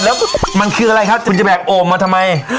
แล้วมันคืออะไรครับคุณจะแบกโอ่งมาทำไม